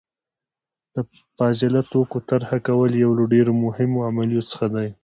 د فاضله توکي طرحه کول یو له ډیرو مهمو عملیو څخه دي.